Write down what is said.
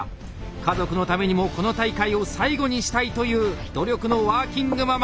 家族のためにもこの大会を最後にしたいという努力のワーキングママ